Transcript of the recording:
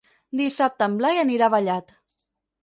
Dissabte en Blai anirà a Vallat.